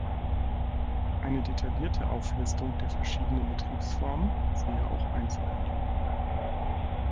Eine detaillierte Auflistung der verschiedenen Betriebsformen siehe auch „Einzelhandel“.